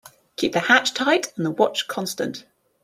Keep the hatch tight and the watch constant.